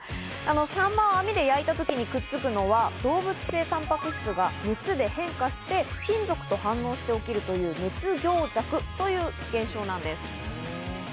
サンマを網で焼いたときにくっつくのは動物性タンパク質が熱で変化して金属と反応して起きるという熱凝着という現象なんです。